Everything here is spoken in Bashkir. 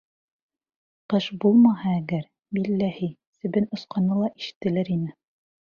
Ҡыш булмаһа әгәр, билләһи, себен осҡаны ла ишетелер ине.